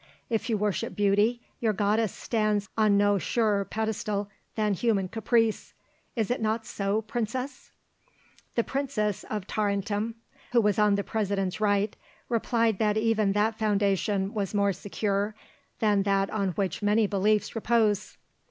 If you worship beauty, your goddess stands on no surer pedestal than human caprice. Is it not so, Princess?" The Princess of Tarentum, who was on the President's right, replied that even that foundation was more secure than that on which many beliefs repose.